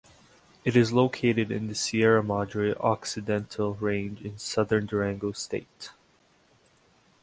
It is located in the Sierra Madre Occidental range in southern Durango state.